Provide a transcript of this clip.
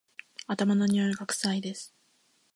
頭のにおいが臭いです